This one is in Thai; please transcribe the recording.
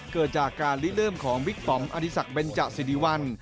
เกิดจากการรีดเริ่มของวิกฟอมอธิสักเบนจะซิริวัล